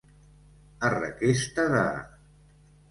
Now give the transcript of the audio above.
A requesta de.